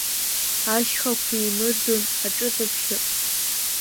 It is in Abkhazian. Ашьхақәа еимырдон аҿыҭыбжьы!